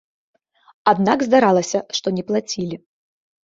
Аднак, здаралася, што не плацілі.